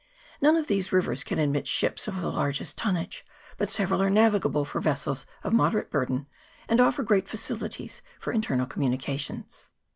None of these rivers can admit ships of the largest ton nage, but several are navigable for vessels of moderate burden, and offer great facilities for internal com munications.